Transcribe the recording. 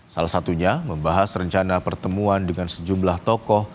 salah satunya membahas rencana pertemuan dengan sejumlah tokoh